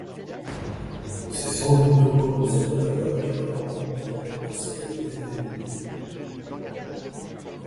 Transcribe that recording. C’est sans doute au cours de cette période qu’elle rencontre diverses personnalités féminines.